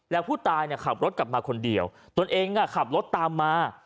แล้วผู้ตายขับรถกลับมาคนเดียวตนเองขับรถตามมา